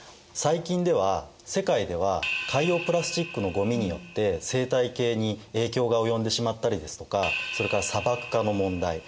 最近では世界では海洋プラスチックのゴミによって生態系に影響が及んでしまったりですとかそれから砂漠化の問題